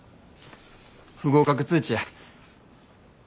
不合格通知や。